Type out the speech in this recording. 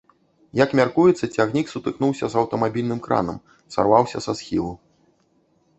Як мяркуецца, цягнік сутыкнуўся з аўтамабільным кранам, сарваўся са схілу.